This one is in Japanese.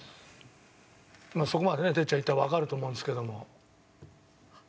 そこまでね哲ちゃん言ったらわかると思うんですけども。